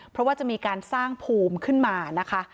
เพราะว่าจะมีการสร้างภูมิขึ้นมานะคะ